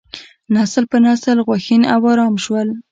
نسل په نسل غوښین او ارام شول.